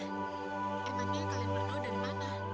emangnya kalian berdua dari mana